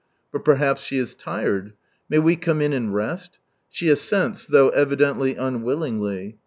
But perhaps she is tired. " May we come in and rest?" She assents, though evidently unwillingly.